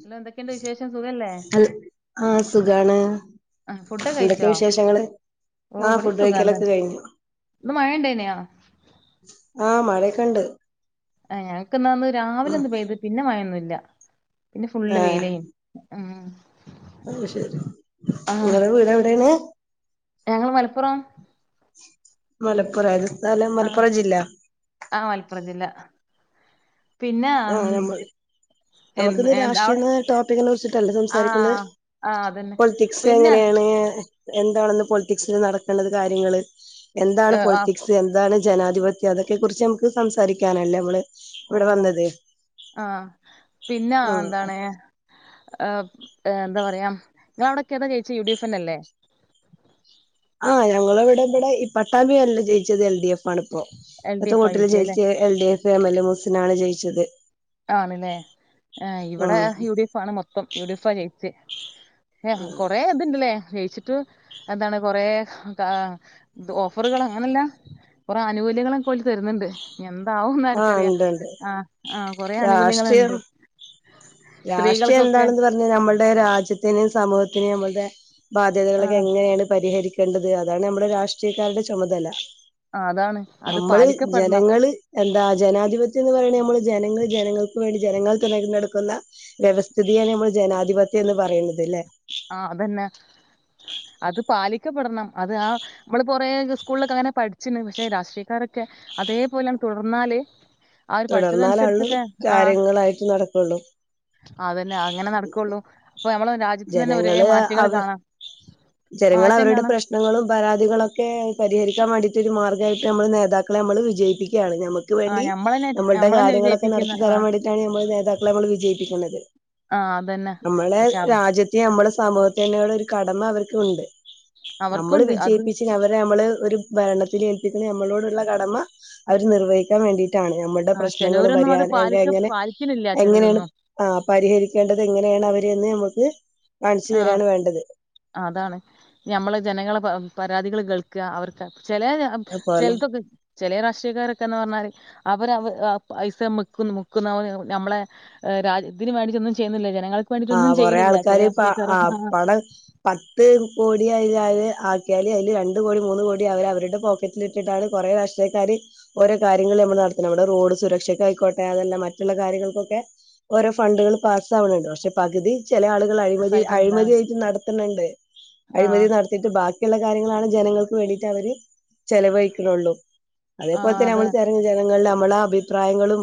പിന്നെന്തെക്കെണ്ട് വിശേഷം സുഖല്ലേ ഖാണ് അഹ് ഫുഡ്‌ കഴിച്ചോ? ഓ ആഹ് ഇവിടേം ഫുഡ് സുഖാണ് താ കഴിക്കലൊക്കെ കഴിഞ്ഞു ഇന്നു മഴണ്ടായിഞ്ഞോ? ആ മഴെക്കെ ണ്ട് അഹ് ഞങ്‌ കിന്നന്ന് രാവിലൊന്ന് പെയ്ത് പിന്നെ മഴയൊന്നുല്ല പിന്നെ ഫുള്ള് വെയിലയിനി ആഹ് ഓ ശെരി നിങ്ങടെ വീടെവിടേണ്? ഞങ്ങള് മലപ്പുറം മലപ്പുറ തുസ്ഥലം ആ മലപ്പുറം ജില്ല ആ മലപ്പുറം ജില്ല പിന്നെ ഉം, അഹ് ഞമ്മള് എന്ത് നമക്കിന്ന് എന്താ അവിടെ രാഷ്ട്രിയെന്ന ടോപികിനെക്കുറിച്ചിട്ടല്ലേ ആ സംസാരിക്കണ്ടത് ആ അതന്നെ പിന്നെ പൊളിറ്റിക്‌സങ്ങനെയാണ് എന്താണിന്ന് പൊളിറ്റിക്‌സില് നടക്കണ കാര്യങ്ങള് എന്താണ് ഏ, ആ, പൊളിറ്റിക്സ് എന്താണ് ജനാധിപത്യം അതൊക്കെ കുറിച്ച് മ്മക്ക്‌ സംസാരിക്കാനല്ലേ മ്മള് ഇവിടേ വന്നത് അഹ് പിന്നെ ആഹ് എന്താണ് അഹ് അഹ് എന്താ പറയാ നിങ്ങളവ്ടൊക്കെ ഏതാ ജയിച്ച യു ഡി എഫ്നല്ലെ അഹ് ഞങ്ങളവിടെ ഇവിടെ ഇഹ് പട്ടാമ്പി വാർഡിൽ ജയിച്ചത് എൽ ഡി എഫ് മണുപ്പാ എൽ ഡി എത്ര എഫ് ആ വോട്ടിലാ ജയിച്ചേ അല്ലേ ജയിച്ച എൽ ഡി എഫ് വേമല മുസ്സിനാണ് ജയിച്ചത് ആണല്ലേ ഇവിടേ ഉം യു ഡി എഫ് ആണ് മൊത്തം യു ഡി എഫാ ജയിച്ചെ ഹെ കൊറേ അതില്ലെ വെ ചിട്ട് എന്താണ് കൊറേ കാ ഓഫറുകൾ അങ്ങനെല്ലാം കൊറേ അനുകൂല്യങ്ങളൊക്കെ ഓര് തരുന്നുണ്ട് ഇനിയെന്ന ന്താവുന്ന് ആർക്കറിയാം അഹ് അഹ് രാഷ്ട്രിയം സ്ത്രീകൾക്കൊക്കെ രാഷ്ട്രിയെന്താണെന്ന് പറഞ്ഞാൽ ഞമ്മൾടെ രാജ്യത്തിന് സമാധാന ത്തിന് നമ്മടെ ബാധ്യതകളൊക്കെ ആഹ് എങ്ങനെയാണ് പരിഹരിക് ക്കേണ്ടത് അതാണ് നമ്മുടെ രാഷ്ട്രീയക്കാരുടെ ചുമതല അതാണ് അത് നമ്മള് പാലിക്കപ്പെടണം ജനങ്ങള് എന്താ ജനാധിപത്യം എന്ന് പറയണ നമ്മള് ജനങ്ങൾ ജനങ്ങൾക് വേണ്ടി ജനങ്ങൾ തിരഞ്ഞെടുക്കു ക്കുന്ന വ്യവസ്ഥിതിയാണ് നമ്മൾ ജനാധിപത്യം എന്ന് പറയുന്നത് ല്ലെ ആ അതന്നെ അത് പാലിക്കപ്പെടണം അത് ആ നമ്മള് കൊറേ സ്കൂളിലൊക്കെ അങ്ങനെ പഠിച്ച്ണ് പക്ഷെ രാഷ്ട്രീയക്കാരൊക്കെ അതേപോലെ തുടർന്നാല് അവര് പഠിച്ചത് തുടർന്നാലാള്ളൂ അനുസരിച്ചൊക്കെ ആ കാര്യങ്ങളായിട്ട് നടക്കുള്ളൂ അതന്നെ അങ്ങനെ നടക്കുള്ളൂ അപ്പ നമ്മള് ജനങ്ങള് അവര് ജനങ്ങൾ മാറ്റം കാണാം അവരുടെ പ്രശ്നങ്ങളും പരാതികളൊക്കെ പരിഹരിക്കാൻ വേണ്ടയിട്ട് ഒരു മാർഗമായിട്ട് നമ്മൾ നേതാക്കളെ നമ്മൾ വിജയിപ്പിക്കും നമ്മക്ക് ആഹ് വേണ്ടി ഞമ്മളന്നെ നമ്മളുടെ ഞമ്മളന്നെ കാര്യങ്ങളൊക്കെ വിജയിപ്പിക്കുന്ന നടത്തി തരാൻ ആഹ് വേണ്ടിട്ടാണ് നമ്മുടെ നേതാക്കളെ നമ്മൾ വിജയിപ്പിക്കണത് ആഹ് അതന്നെ നമ്മളെ പക്ഷെ അവ രാജ്യത്തെ നമ്മളെ സമൂഹത്തിനോട്‌ ഒരു കടമ അവർ ഉണ്ട് നമ്മള് അവർക്കുണ്ട് അത് വിജയിപ്പിച്ച് അവരെ നമ്മള് ഒരു ഭരണത്തില് ഏൽപ്പിക്കുന്ന നമ്മളോടുള്ള കടമ അവർ നിർവഹിക്കാൻ വേണ്ടിട ട്ടാണ് നമ്മളുടെ ആഹ് പ്രശ്നങ്ങളും ചെലോരൊന്നും അത് പരിഹാരം പാലിക്ക എങ്ങനെ പാലിക്കണില്ല എങ്ങനെയാണ് ചെലോരൊന്നും ആ പരിഹരിക്കേണ്ടത് എങ്ങനെയാണ് അവ ഇന്ന് നമുക്ക് കാണിച്ചു ആഹ് തരാണ് വേണ്ടത് അതാണ് ഞമ്മള് ജനങ്ങളെ പരാതികൾ കേൾക്കാ അവർക്ക് ചില അതുപോലെ ചിലത്തൊക്കെ ചെലെ രാഷ്ട്രീയക്കാരൊക്കെന്ന് പറഞ്ഞാല് അവര് പൈസ മിക്കുന്നു മുക്കുന്നവർ നമ്മളെ രാജ്യം ഇതിന് വേണ്ടിട്ട് ഒന്നും ചെയ്യുന്നില്ല ജനങ്ങൾക്ക് വേണ്ടിട്ടൊന്നും ചെയുന്നില്ല ചെലെ [unintelligible] ആകെ പാടെ പത്ത് കോടി ആയാല് ആക്കിയാല് അതില് രണ്ട് കോടി മൂന്ന് കോടി അവര് അവരുടെ പോക്കറ്റിൽ ഇട്ടിട്ടാണ് കുറേ രാഷ്ട്രീയക്കാര് ഓരോ കാര്യങ്ങൾ നമ്മൾ നടത്തുന്നത് ഇവിടെ റോഡ് സുരക്ഷയ്ക്ക ആയിക്കോട്ടെ അതെല്ലാം മറ്റുള്ള കാര്യങ്ങൾക്കൊക്കെ ഓരോ ഫണ്ടുകൾ പാസ് ആവണണ്ട് പക്ഷെ പകുതി ചില ആളുകൾ അഴിമതി അഴിമതിയായിട്ട് നടത്തുന്നുണ്ട് അഴിമതി ആഹ് നടതീട്ട് ബാക്കി ട്ടുള്ള കാര്യങ്ങളാണ് ജനങ്ങൾക്ക് വേണ്ടിയിട്ട് അവര് ചെലവഴിക്കുന്നുള്ളൂ അതേപോലെ ആഹ് തന്നെ നമ്മൾ അതെ തെരഞ്ഞ ജനങ്ങളിൽ മ്മളെ അഭിപ്രായങ്ങളും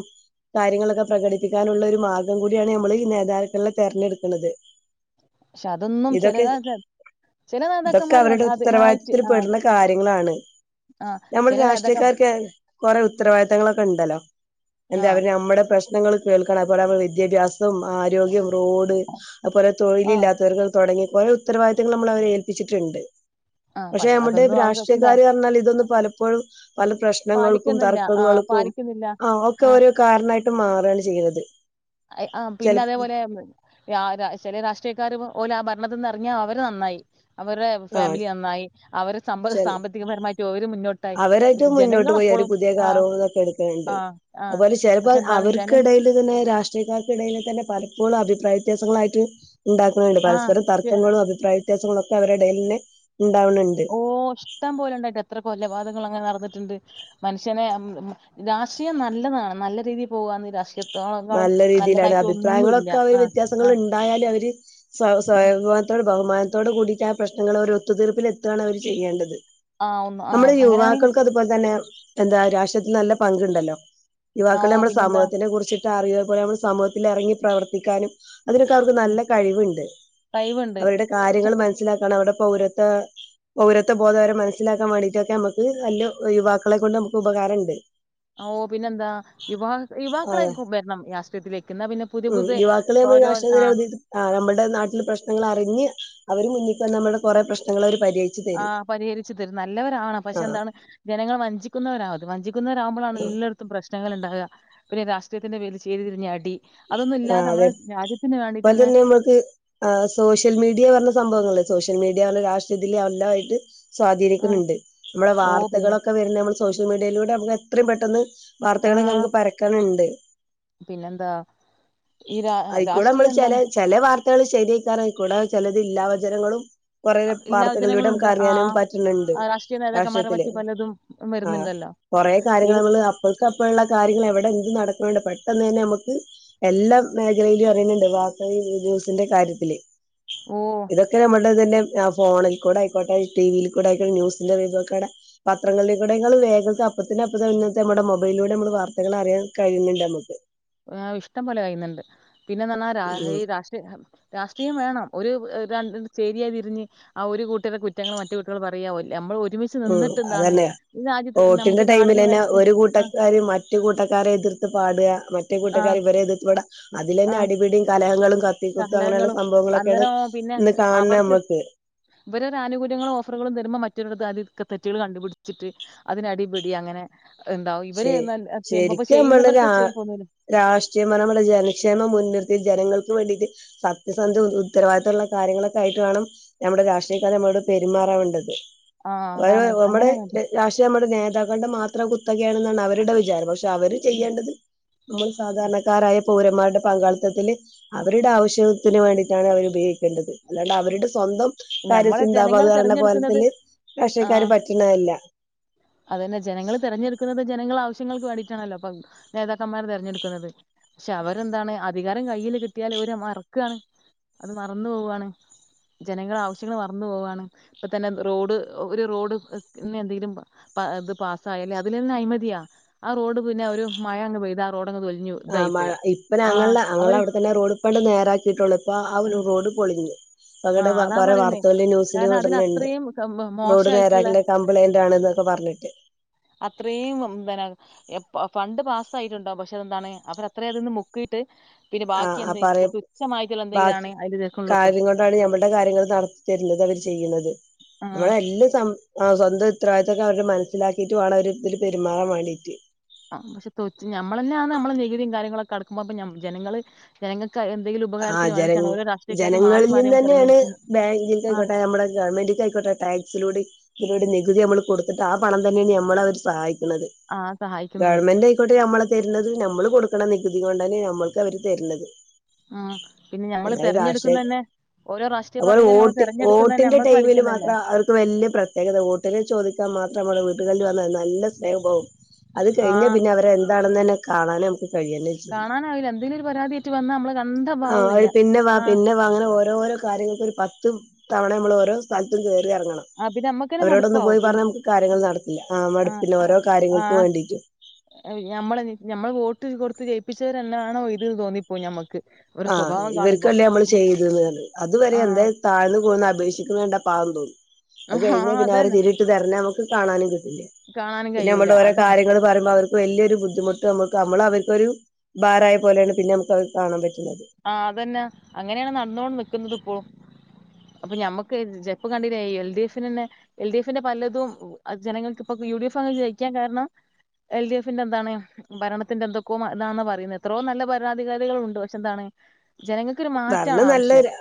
കാര്യങ്ങളൊക്കെ പ്രകടിപ്പിക്കാനുള്ള ഒരു മാർ ഗം കൂടിയാണ് നമ്മള് നേതാവ് ല്ല തെരഞ്ഞെടുക്കണത് പക്ഷെ അതൊന്നും ചെല ഇതൊക്കെ ചില ഇതൊക്കെ നേതാക്കന്മാര് അവരുടെ അതിനായിട്ട് ഉത്തരവാദിത്തത്തിൽ ആ പെടുന്ന കാര്യങ്ങളാണ് ആ നമ്മുടെ ചില നേതാക്ക രാഷ്ട്രീയക്കാർക്ക് കൊറെ ഉത്തരവാദിത്തങ്ങളൊക്കെ ഉണ്ടല്ലോ ആ എന്തേ അവര് നമ്മടെ പ്രശ്നങ്ങള് കേൾക്കണം അപ്പോ നമ്മൾ വിദ്യാഭ്യാസൊം ആരോഗ്യൊം റോഡ് അഹ്പോലെ ആ തൊഴിലില്ലാത്തവർക്ക് തൊടങ്ങി [unintelligible] ഉത്തരവാദിത്തങ്ങൾ നമ്മളെ ഏൽപ്പിച്ച്ട്ട്ണ്ട് ആ പക്ഷെ നമ്മടെ അതൊന്നും അവർക്ക് എന്താ രാഷ്ട്രീയക്കാര് അറ്ഞ്ഞാൽ ഇതൊന്നും പലപ്പോഴും പല പ്രശ്നങ്ങൾക്കും പാലിക്കുന്നില്ല ആ തർക്കങ്ങൾക്കും പാലിക്കുന്നില്ല ആ ഒക്കെ ഓരോ കാരണായിട്ട് മാറാണ് ചെയ്യ്ണത് ഹ് ആഹ് പിന്നെ അതേപോലെ ആയ്ന്ന് [unintelligible] ചെലേ രാഷ്ട്രീയക്കാര് പോ ആഹ് ഭരണത്ത്ന്ന് എറങ്ങിയാ അവര് നന്നായി അവരു [unintelligible] ടെ ആ ഫാമിലി നന്നായി അവര് സമ്പഹ് സാമ്പത്തികപരമായിട്ട് ഒരു മുന്നോട്ട് അവരയിട്ട് മുന്നോട്ട് പോയി ഒരു പുതിയ കാറു ഇതൊക്കെ എട്ക്ക് ആ ആ ണ് ണ്ട് അതുപോലെ ചെല്പ്പോ പക്ഷെ എന്താണ് ജന അവർക്കിടയില് തന്നെ രാഷ്ട്രീയക്കാർക്കിടയില് തന്നെ പലപ്പൊളും അഭിപ്രായ വ്യത്യാസങ്ങളായിട്ട് ഉണ്ടാക്കുണ് ണ്ട് ആ പരസ്പരം തർക്കങ്ങളും അഭിപ്രായ വ്യ സ്യങ്ങളൊക്കെ അവരെടെല്ന്നെ ഓ ഇഷ്ടം പോലുണ്ടായിട്ട എത്ര കൊലപാതങ്ങളങ്ങനെ നടന്നിട്ടുണ്ട് മനുഷ്യനെ രാഷ്ട്രീയം നല്ലതാണ് നല്ല രീതിയിൽ പോവാന്നെ രാഷ്ട്രീയ നല്ല രീതിയിലാണ് അഭിപ്രായങ്ങളൊക്കെ അവര് ആ ആ വ്യത്യാസങ്ങള്ണ്ടായാലും അവര് ആ സ്വയം [unintelligible] ബഹുമാനത്തോട് കൂടിട്ടാണ് പ്രശ്നങ്ങളൊരൊത്തു തീർപ്പിലെതാണ് അവര് ചെയ്യേണ്ടത് ആ ഒന്ന് ആ നമ്മുടെ അങ്ങനെയാണെങ്കിലും യുവാക്കൾക്ക് അതുപോൽ തന്നെ എന്താ രാഷ്ട്രയത്തി നല്ല പങ്കുണ്ടല്ലോ ആ യുവാക്കളെ ഓ നമ്മുടെ പിന്നെന്താ സമൂഹത്തിനെ കുറിച്ച്ട അറിയപോലെ നമ്മൾ സമൂഹത്തിൽ എറങ്ങി പ്രവർത്തിക്കാനും അതിനൊക്കെ അവർക്ക് ഉം, നല്ല കഴിവ്ണ്ട് കഴിവുണ്ട് അവരുടെ കാര്യങ്ങൾ മനസ്സിലാക്കാനും അവടെ പൗരത്വ പൗരത്വ ബോധവരെ മനസ്സിലാക്കാൻ വേണ്ടിട്ടൊക്കെ മക്ക് നല്ല യുവാക്കളെ കൊണ്ട് നമുക്ക് ഉപകാരണ്ട് ഓ പിന്നെന്താ യുവാ യുവാക്കളെ അതെ വരണം രാഷ്ട്രീയത്തിലേക്ക് എന്നാ പിന്നെ പുതിയ ഉം പുതിയ യുവാക്കളെ ഓരോ ആ [unintelligible] നമ്മുടെ നാട്ടില് പ്രശ്നങ്ങൾ അറിഞ്ഞ് അവര് മുന്നിക്കെന്ന നമ്മുടെ കുറേ പ്രശ്നങ്ങളൊര് ആ പരിഹരിച്ചു തരും നല്ലവരാവണം പക്ഷെ ആഹ് എന്താണ് ജനങ്ങൾ വഞ്ചിക്കുന്നവരാവത് വഞ്ചിക്കുന്നവരാകുമ്പളാണല്ലോ ട്ത്തും പ്രശ് പ്രശ്നങ്ങള്ണ്ടാക പിന്നെ രാഷ്ട്രീയത്തിന്റെ പേരിൽ ചേരിതിരിഞ്ഞടി ആ അതെ തന്നെ ബൽതൊന്നും നമക്ക് സോഷ്യൽ മീഡിയർഞ സംഭവങ്ങള് സോഷ്യൽ മീഡിയർഞ [unintelligible] ആ സ്വാധീനിക്കുന്നുണ്ട് നമ്മുടെ ഓ പിന്നെ വാർത്തകളൊക്കെ വരുന്ന സോഷ്യൽ മീഡിയിലൂടെ നമുക്ക് എത്രയും പെട്ടെന്ന് വാർത്തകളൊക്കെ നമുക്ക് പരക്കനുണ്ട്. പിന്നെ ന്താ ഈ രാ രാഷ്ട്രീയം എന്താണ്? ത്തകൾ ശരിയക്കാറായിക്കൂടാ ചിലത് ഇല്ലാ വചനങ്ങളും കുറെ ഇല്ലാ വാർത്തകളിലൂടെ നമുക്ക് ജനങ്ങളുണ്ട് അറിയാനും ആഹ് പറ്റുന്നുണ്ട് രാഷ്ട്രീയ നേതാക്കന്മാരെ രാഷ്ട്രീയത്തില് പറ്റി പലതും ആ വരുന്നുണ്ടല്ലോ കൊറേ ഏത് കാര്യങ്ങൾ അപ്പോഴക്ക് അപ്പോഴുള്ള കാര്യങ്ങൾ എവിടെ എന്ത്‌ നട പെട്ടെന്നന്നെ നമു ക്ക് എല്ലാ മേഖലയിലും അറിയുന്നുണ്ട് വാർത്ത ന്യൂസിന്റെ കാര്യത്തില്. ഓഹ് ഇതൊക്കെ നമ്മുടെ തന്നെ ആ ഫോണിൽ കൂടെ ആയിക്കോട്ടെ ടിവിയിൽ കൂടെ ആയിക്കോട്ടെ ന്യൂസിന്റെ [unintelligible] പത്രങ്ങളിലിൽ കൂടെയെക്കാളും വേഗത്തി അപ്പത്തിന് അപ്പ തന്നെ ഇന്നത്തെ നമ്മുടെ മൊബൈലിലൂടെ നമ്മൾ വർത്തകളറിയൻ കഴിയുന്നുണ്ട് നമുക്ക്. ആ ഇഷ്ടം പോലെ കഴിയുന്നുണ്ട്. പിന്നെന്ന് പറഞ്ഞാൽ ഈ ഉം രാഷ്ട്രീയ രാഷ്ട്രീയം വേണം ഒരു ര ചേരിയായി തിരിഞ്ഞ് ആ ഒരു കൂട്ടർടെ കുറ്റങ്ങൾ മറ്റു നമ്മള് ഉം അതന്നെയാ വോട്ടിന്റെ നമുക്ക് നാടിന് ടൈമിലന്നെ വേണ്ടിട്ട് ഒരു ആഹ് കൂട്ടക്കാര് മറ്റു കൂട്ടക്കാരെ എതിർത്ത് പാടുക മറ്റേ കൂട്ടക്കാര് ആഹ് ഇവരെ എതിർത്തു പാടാ അതലന്നെ അടിപിടിയും കലഹങ്ങളും കത്തിക്കുത്തും അങ്ങനെയുള്ള കലഹങ്ങളും സംഭവങ്ങളൊക്കെയാണ് അങ്ങേരം പിന്നെ ഇന്ന് കാണണ അവർക്ക് നമ്മക്ക് ഇവരൊരു ആനുകൂല്യങ്ങളും ഓഫറുകളും തരുമ്പോ മറ്റ രടുത്ത് അതിലെ തെറ്റുകൾ കണ്ടുപിടിച്ചിട്ട് അതിനടിപടി അങ്ങനെ എന്താവും ശ ഇവര് നല്ല ചെയ്യുമ്പോ ശരിക്കും നമ്മള രാ ചെയ്യുന്നവർക്ക് ചെയ്യാൻ തോന്നൂല രാഷ്ട്രീയം നമ്മുടെ ജനക്ഷേമം മുൻർത്തി ജനങ്ങൾക്ക് വേണ്ടിട്ട് സത്യസന്ധ ഉത്തരവാദ മുള്ള കാര്യങ്ങളൊക്കൊയിട്ടാണ് നമ്മൾ രാഷ്ട്രീയക്കാരെ നമ്മളോട് പെരുമാറാവേണ്ടത് ആഹ് അതാണ് നമ്മുടെ അങ്ങനെയാണ് അത് രാഷ്ട്രീയ നമ്മുടെ നേതാക്ക മാത്രം [unintelligible] ക്കെയണെന്നാണ് അവരുടെ വിചാരം പക്ഷേ അവര് ഉം. ചെയ്യേണ്ടത് നമ്മൾ സാധാരണക്കാരായ കൂന്മാരുടെ പങ്കാളിത്തത്തില് അവരുടെ ആവശ്യത്തിന് വേണ്ടിയിട്ടാണ് അവർ ഉപയോഗിക്കേണ്ടത് അല്ലാണ്ട് അവരുടെ സ്വന്തം കാര്യം ഞമ്മള് ജനങ്ങൾ സിന്ന്താബദ് അത്ണ തെരഞ്ഞെടുക്കുന്നത് പോലെത്തില് പക്ഷക്കാാര് പറ്റണതല്ല അത് തന്നെ ജനങ്ങള്ൾ തെരഞ്ഞെടു ന്നത് ജനങ്ങൾ ആവശ്യങ്ങൾക്ക് വേണ്ടിയിട്ടാണല്ലോ അപ്പ നേതാക്കന്മാർ തിരഞ്ഞെടുക്കുന്നത് പക്ഷെ അവരെന്താണ് അധികാരം കയ്യിൽ കിട്ടിയാൽ അവര് മറക്കുവാണ് അത് മറന്നു പോവുവയാണ് ജനങ്ങള ആവശ്യങ്ങൾ മറന്നു പോവാണ് ഇപ്പ തന്നെ റോഡ് ഒരു റോഡ് എന്തെങ്കിലും ഇത് പാസായല്ലേ അതിലെ അഴമതിയാ ആ റോഡ് പിന്നെ ഒരു മഴ അങ്ങ് പെയ്ത് ആ റോഡ് ആ് മഴ ഇപ്പനെ ഞങ്ങളുടെ അഞങ്ങളെ അവര് അവിടെ തന്നെ റോഡ്പ്പണ്ട് നേരാക്കിയിട്ടള്ളു ഇപ്പൊ ആ ഒരു റോഡ് പൊളിഞ്ഞു ആഹ അവിടെ അതാ കൊറേ പറയുന്നേ വാർത്തകളില് ന്യൂസില് കാരണം അതിന വിടുന്നുണ്ട് അത്രയും റോഡ് മോശയിട്ടുള്ള നേരാക്കില്ല കംപ്ലൈന്റ് ആണെന്നൊക്കെ പറഞ്ഞിട്ട് അത്രയുംന്തന്ന ഫണ്ട് പാ ആയിട്ടുണ്ടാവും പക്ഷെ എന്താണ് അവർ അത്രയും അത്ന്ന് മുക്കിയിട്ട് പിന്നെ ആ ബാക്കി ആ എന്തെ പറയ ഉച്ഛമായിട്ടുള്ള എന്തെങ്കിലും ആാണ് അതില്ക്കള്ളോ ടെ കാര്യങ്ങൾ നടത്തരുന്നത് അവർ ചെയ്യുന്നത് നമ്മള ആഹ് എല്ലാം സം ആ്വന്തം ഇത്രദിത്തൊക്കെ അവര് മനസ്സിലാക്കിട്ട വേണം അവര് ഇതില് പെരുമാറൻ വേണ്ടിീട്ട് ആ പക്ഷെ തൊ നമ്മൾ തന്നെ ആന്ന് നമ്മള് നികുതിയും കാര്യങ്ങളൊക്കെ അടുക്കുമ്പോ ജനങ്ങള്ൾ ജനങ്ങ ആഹ ജന മാറി ജനങ്ങളിൽ നിന്ന് മാറി തന്നെയാണ് തെരഞ്ഞെടുക്കുന്നത് ബാങ്കിൽക്ക ആഹ് ആയിക്കോട്ടെ നമ്മുടെ ഗവൺമെന്റ്ക്കായിക്കോട്ടെ ടാക്സിലൂടെ ഇവരുടെ നികുതി നമ്മള് കൊടുത്തിട്ട് ആ പണം തന്നെയാണ് നമ്മള അവര് സഹായിക്കും ആഹ് സഹായിക്കുന്നത് ഗവൺമെന്റ് ആയിക്കോട്ടെ നമ്മള തരുന്നത് നമ്മള് കൊടുക്കണ നികുതി കൊണ്ടാണ് നമ്മൾക്ക് അവര് തരുന്നത് ഉം പിന്നെ ഞമ്മള് അങ്ങ രാ്ട്ര തെരഞ്ഞെടുക്കുന്നന്നെ ഓരോ രാഷ്ട്രീയ അതുപോലെ പാർട്ടിക്കാരെ നമ്മള് വോട്ട തെരഞ്ഞെടുക്കുന്നന്നെ വോട്ടിന്റെ നമ്മൾക്ക് ടൈമില് വേണ്ടിട്ടന്നല്ലേ മാത്രം അവർക്ക് വല്ിയ പ്രത്യേകത വോട്ടിനെ ചോദിക്കാൻ മാത്രംമ്മള് വന്ന നല്ല നേഹം പോവും അത് കഴിഞ്ഞാ ആഹ് പിന്നെ അവരെ എന്താണെന്ന് തന്നെ കാണാനും കഴിയന്നെ ചെയ്യും കാണാനാവില്ല എന്തെങ്കലും ഒരു പരാതിയയിട്ട് വന്നാൽ നമ്മള് കണ്ട ആഹ് ഭാവൂല്ല ഒരു പിന്നെ വാ ആഹ് പിന്നെ വാങ്ങനെ പോ ഓോരോ കാര്യങ്ങൾ പത്ത് തവണ നമ്മൾ ഓരോ സ്ഥല റങ്ങണം ആഹ് പിന്നെ നമ്മക്കന്നെ അവരോടൊന്ന മടുപ്പാവും പോയി പിന്നെ പറഞ്ഞ നമുക്ക് കാര്യങ്ങൾ നടത്തില്ല ആ ആഹ് മടുപ്പിന് ഓരോ ആഹ് കാര്യങ്ങൾക്കും വേണ്ടീട്ടും ട്ട് കൊടുത്ത് ജയിപ്പിച്ചവര് തന്നെയാണോ ഇത്എന്നൊക്കെ തോന്നിപ്പോകും ഞമ്മക്ക് ഒരു ആഹ് സ്വഭാവം കാണുമ്പോ ഇവർക്കല്ലേ നമ്മള് ഉം ചെയ്തത് എന്ന് അതുവരെ എന്താ ആഹ് താഴ്ന്നന്ന് പോന്ന് അപേക്ഷിക്കണ കണ്ട പാന്തും അത് കഴിഞ്ഞ ആഹ് പിന്നെഅവരെ അതന്നെ തിരിട്ട് തെരഞ്ഞാനമുക്ക് കാണാനും കിട്ടു കാണാനും പിന്നെ കഴിയൂല നമ്മളുടെ ഓരോ അതാ കാര്യങ്ങള്പറയുമ്പോ അവർ വലിയൊരു ബുദ്ധിമുട്ട് നമുക്ക് നമ്മള് അവർക്ക്ക് ഒരുബാരായ പോലെയാണ് പിന്നെ നമുക്ക് കാണാൻ പറ്റും ആഹ അതന്നാ അങ്ങനെയാണ് നടന്നോണ്ട് നിക്കുന്നത് ഇപ്പോഴും അപ്പൊ ഞമ്മക്ക് ജെപ്പ് കണ്ടില്ല എൽ ഡി എഫി തന്നെ എൽ ഡി എഫിന്റെ പലതും ജനങ്ങൾക്ക് ഇപ്പൊ യു ഡി എഫ് അങ് ജയിക്കാൻ കാരണം എൽ ഡി എഫിന്റെ എന്താണ് ഭരണത്തിന്റെഎന്തൊക്കോ അതാണ് പറയുന്നത് എത്രോ നല്ല ഭരണാധികാരികളുണ്ട് ണ്ട് പക്ഷെ എന്താണ് ജനങ്ങൾക്കൊരു മാറ്റാണ് ഭരണം ആവശ്യം നല്ലരാ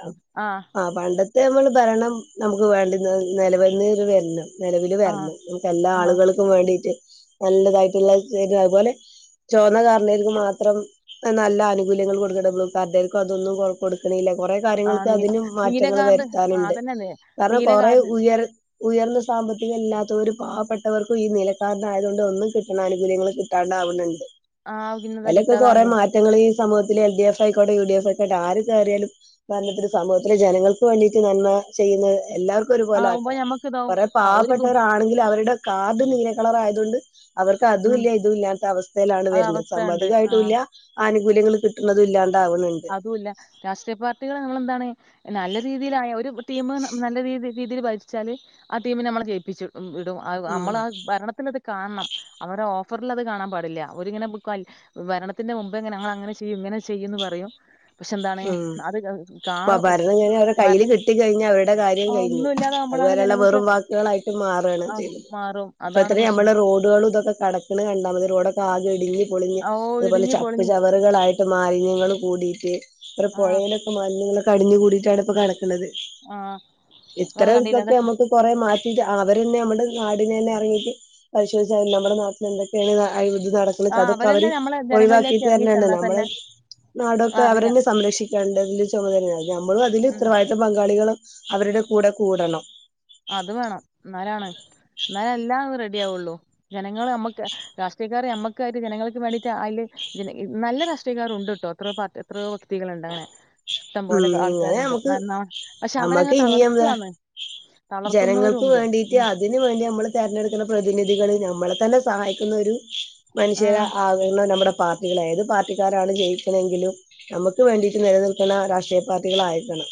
ആഹ് ആ പണ്ടത്തെ നമ്മൾ ഭരണം നമുക്ക് വേണ്ട നിലവിലിത് വന്ന മം നിലവില് ആഹ് വരണം നമുക്ക് എല്ലാ ആഹ് ആളുകൾക്കും വേണ്ടിട്ട് നല്ലതായിട്ടുള്ള അതുപോലെ ചോന്ന കാർഡ് കാർക്ക് മാത്രം നല്ല ആനുകൂല്യങ്ങൾ കൊടുക്കുമ്പോ പദ്ദതി ക്കതൊന്നും കൊടുക്കണില്ല കുറെ ആഹ് കാര്യങ്ങൾക്ക് നീ അതിനും നീല മാറ്റങ്ങ കാർഡ് ആഹ് ൾവരുത്താനുണ്ട് അതന്നെല്ലേ കാരണം നീല കൊറെ കാർഡ് ഉയർ ഉയർന്ന സാമ്പത്തികം ഇല്ലാത്തവ ഒരു പാവപ്പെട്ടവർക്കും ഈ നിലക്കാർഡിന്റെ ആയതുകൊണ്ട് ഒന്നും കിട്ടണ ആനുകൂല്യങ്ങൾ കിട്ടാണ്ടാവുന്നുണ്ട് ആഹ് പിന്നെതാ അതൊക്കെ കൊറെ കിട്ടാതാണ്ട് മാറ്റങ്ങ സമൂഹത്തിൽ എൽ. ഡി. എഫ് ആയിക്കോട്ടേ യു. ഡി. എഫ് ആയിക്കോട്ടെ ആരും യാലും ഭരണത്തിൽ സമൂഹത്തിലെ ജനങ്ങൾക്ക് വേണ്ടിട്ട് നന്മ ചെയ്യുന്ന എല്ലാവർക്കും ഒരുപോലെ ആവുമ്പോ ആക്കണം ഞമ്മക്ക് ഇതാവും കൊറെ ആ ഒരു കു പാവപ്പെട്ടവരാ ആണെങ്കിൽ അവരുടെ കാർഡ് നീല കളർ ആയതുകൊണ്ട് അവർക്ക് അതും ഉം ഇല്ല ഇതും ഇല്ലാത്ത അവസ്ഥയിലാണ് അത് വരുന്നത്. അവസ്ഥയുണ്ട് ആ സാമ്പത്തികമായിട്ടും ഇല്ല ആനുകൂല്യങ്ങൾ കിട്ടുന്നതും ഇല്ല അതുംല്ല രാഷ് രാഷ്ട്രീയ പാർട്ടികള് നമ്മളെന്താണ് നല്ല രീതിയിലായ ടീം നല്ല രീതിയി രീതിയിൽ ഭരിച്ചാല് ആ ടീമിനെ നമ്മൾ ജയിപ്പിച്ചു ഇടും ഉം നമ്മൾ ആ ഭരണത്തില് അത് കാണണം അവരെ ഓഫ ഓഫറിലത് കാണാൻ പാടില്ല. അവ രിങ്ങനെ ഭരണത്തിൻ്റെ മുമ്പേ അങ്ങന ചെയ്യും ഉങ്ങനെ ചെയ്യും ഇങ്ങനെ ചെയ്യെന്ന് പറയും പക്ഷെ എന്താണ് ഉ അത് അപ്പൊ കാണും ഭരണം കഴിഞ്ഞഞ് അവരുടെ കയ്യിൽ ഭരണം കിട്ട കഴിഞ്ഞഞ് അവരുടെ കാര്യം കഴിഞ്ഞു ഒന്നും ഇല്ലാതാവുമ്പോഴാണ് അതുപരെയുള്ള ജനങ്ങൾക്ക് വെറും വാക്കുകളായിട്ട് മാറാണ് ആ ചെയ്തത് മാറും ഇപ്പത്തെ അതാണ് നമ്മള് പ്രശ്നം റോഡുകൾ ഇതൊക്കെ കടക്ക കണ്ടാൽതി റോഡൊക്കെ ആകെ ഇടിഞ് പൊളഞ് ഓ അതുപോലെ ഇടിഞ്ഞ് ചപ്പ് പൊളിഞ്ഞ് ചവറുകളായിട്ട് മാലിന്യങ്ങൾ കൂടി ഇവിടെ ആഹ് പുഴേലൊക്കെ നല്ല അടിഞ്ഞു കൂടിട്ടാണ് ഇപ്പ കിടക്ക ണത് ആഹ് ഇത്ര അത് കണ്ടില്ല ദീവസക്കെ അതൊക്കെ നമ്മുക്ക് കൊറേ മാറ്റ അവരന്നെ നമ്മുടെ നാടിനെന്നെ ഇറങ്ങിയിട്ട് പരിശോധിച്ചാ നമ്മുടെ നാട്ടിൽ എന്തൊക്കെയാണ് ആ നടക്കണത് അതൊക്കെ അവരന്നെ അവര് നമ്മളെ ജനങ്ങളിലേക്ക് ഒഴിവാക്കിട്ട് ഇറങ്ങി തന്നാണ് ചെന്നാൽ നമ്മള തന്നെ ആ, നാടൊക്കെ അറിയാം അവരെന്നെ സംരക്ഷിക്കേണ്ടതിന്റെ ചുമതലയാണ് ഞമ്മളും അതില് ഉം ഉത്തരവാദിത്ത പങ്കാളികളും അവരുടെ കൂടെ കൂടണം അത് വേണം എന്നാലാണ് എന്നാല് എല്ലാം റെഡി ആവുള്ളൂ ജനങ്ങൾ നമ്മക്ക് രാഷ്ട്രീയക്കാര് നമ്മക്കായിട്ട് ജനങ്ങൾക്ക് വേണ്ടിട്ട് അതില് നല്ല രാഷ്ട്രീയക്കാർ ഉണ്ട് കേട്ടോ എത്രയോ വ്യക്തികളുണ്ട് അങ്ങനെ ഇഷ്ടം പോലെ ഉം ഇങ്ങനെ ആൾക്കാരുണ്ട് നമുക്ക് നന്മ പക്ഷെ അവരങ്ങ് നമ്മക്ക് ഇനിയും തളർത്താണ് ജനങ്ങൾക്ക് വേണ്ടീട്ട് അതിന് വേണ്ടി നമ്മള് തിരഞ്ഞെടുക്കുന്ന പ്രതിനിധികൾ നമ്മളെ തന്നെ സഹായിക്കുന്ന ഒരു ആ മനുഷ്യരെ ആവണം നമ്മുടെ പാർ ഏത് പാർട്ടിക്കാരാണ് ജയിക്കണമെങ്കിലും നമുക്ക് വേണ്ടീട്ട് നിലനിൽ ക്കണ രാഷ്ട്രീയ പാർട്ടികളായിരിക്കണം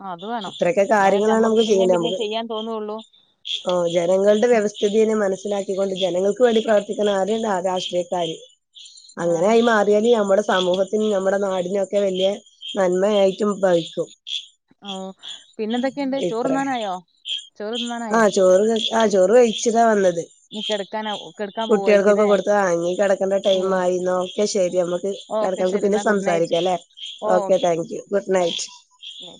ആ, അത് വേണം ഇത്രൊക്കെ എന്നാലല്ലേ കാര്യങ്ങളാണ് നമ്മക്ക് നമുക്ക് പിന്നേം ചെയ്യേണ്ട പിന്നേം നമുക്ക് ചെയ്യാൻ തോന്നുള്ളൂ ജനങ്ങളുടെ വ്യവസ്ഥിതിനെ മനസി മനസ്സിലാക്കിക്കൊണ്ട് ജനങ്ങൾക്ക് വേണ്ടി പ്രവർത്തിക്കുന്ന ആ രാഷ്ട്രീയക്കാര് ആ അങ്ങനായി മാറിയാല് നമ്മള് സമൂഹത്തിനും നമ്മുടെ നാടിനൊക്കെ വലിയ നന്മയായിട്ടും ഭവിക്കും. ഓ പിന്നെന്തൊക്കെയുണ്ട് ചോറ് ഇത്ര തിന്നാനായോ ചോറ് ആ തിന്നാനായോ? ചോറ് ആ ചോറ് വൈച്ചു താ വന്നത്. ഇനി കിടക്കാനാ കിടക്കാൻ കുട്ടികൾക്കൊക്കെ പോവായിരിക്കുംല്ലേ കൊടുത്ത് ആങ്ങി കിടക്കണ്ട ഓ ടൈം ആയി ന്ന ഓക്കെ ശെരി ഓക്കെ നമ്മക്ക് ശരി പിന്നെ എന്നാ ഗുഡ് നൈറ്റ് സംസാരിക്കാംല്ലേ? ഓ K okay thank you good night. എന്നാ